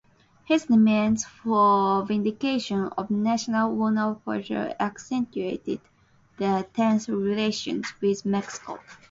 His demands for vindication of national honor further accentuated the tense relations with Mexico.